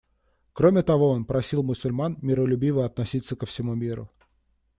Кроме того, он просил мусульман миролюбиво относиться ко всему миру.